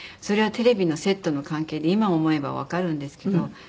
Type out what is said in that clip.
それはテレビのセットの関係で今思えばわかるんですけど